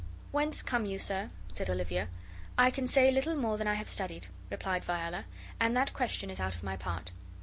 "Whence come you, sir?" said Olivia. "I can say little more than I have studied," replied Viola, and that question is out of my part."